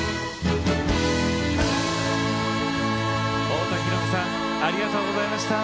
太田裕美さんありがとうございました！